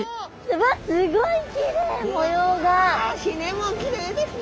わひれもきれいですね！